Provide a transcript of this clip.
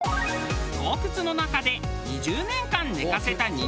洞窟の中で２０年間寝かせた日本酒や。